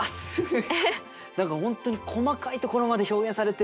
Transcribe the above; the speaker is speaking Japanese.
何か本当に細かい所まで表現されてるね。